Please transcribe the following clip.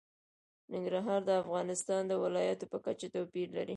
ننګرهار د افغانستان د ولایاتو په کچه توپیر لري.